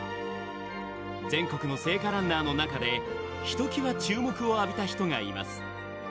全国の聖火ランナーの中でひときわ注目を浴びた人がいます。